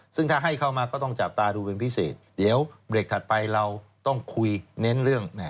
ซึ่งถ้าให้เข้ามาก็ต้องจับตาดูเป็นพิเศษเดี๋ยวเบรกถัดไปเราต้องคุยเน้นเรื่อง